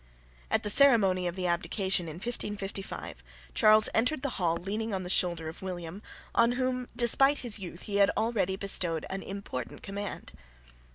At the ceremony of the abdication in 1555, Charles entered the hall leaning on the shoulder of William, on whom, despite his youth, he had already bestowed an important command.